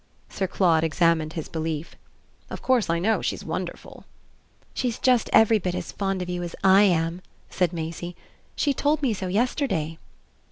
Sir Claude examined his belief. "Of course I know she's wonderful." "She's just every bit as fond of you as I am," said Maisie. "She told me so yesterday."